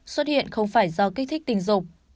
xuất hiện không phải do kích thích tình dục